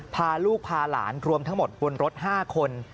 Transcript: พาลูกพาหลานรวมทั้งหมดบนรถ๕คน